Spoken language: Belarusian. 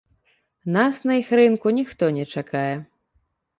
Нас на іх рынку ніхто не чакае!